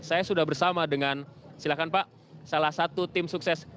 saya sudah bersama dengan silakan pak salah satu tim sukses